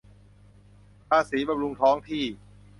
ภาษีบำรุงท้องที่